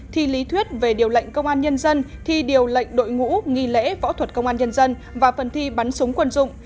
thi lý thuyết về điều lệnh công an nhân dân thi điều lệnh đội ngũ nghi lễ võ thuật công an nhân dân và phần thi bắn súng quân dụng